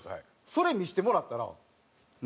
それ見せてもらったら「何？